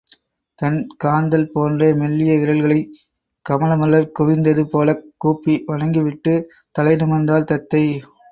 தன் காந்தள் போன்ற மெல்லிய விரல்களைக் கமலமலர் குவிந்தது போலக் கூப்பி வணங்கிவிட்டுத் தலை நிமிர்ந்தாள் தத்தை.